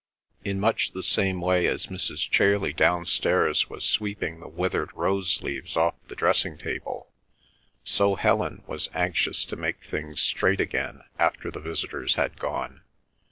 In much the same way as Mrs. Chailey downstairs was sweeping the withered rose leaves off the dressing table, so Helen was anxious to make things straight again after the visitors had gone.